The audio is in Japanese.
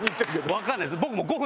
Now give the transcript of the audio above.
わかんないです。